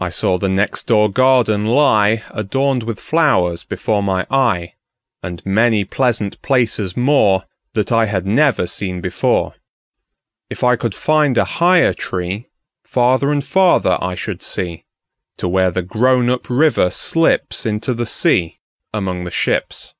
I saw the next door garden lie, Adorned with flowers, before my eye, And many pleasant places moreThat I had never seen before. If I could find a higher treeFarther and farther I should see, To where the grown up river slipsInto the sea among the ships.